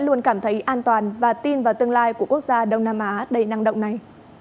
luôn cảm thấy an toàn và tin vào tương lai của quốc gia đông nam á đầy năng động này